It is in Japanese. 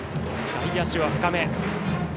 外野手は深め。